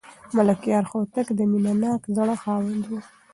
ملکیار هوتک د مینه ناک زړه خاوند و.